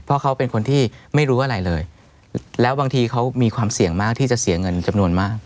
เพราะเขาเป็นคนที่ไม่รู้อะไรเลยแล้วบางทีเขามีความเสี่ยงมากที่จะเสียเงินจำนวนมาก